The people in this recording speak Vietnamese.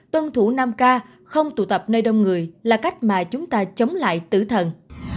tuân thủ năm k không tụ tập nơi đông người là cách mà chúng ta chống lại tử thần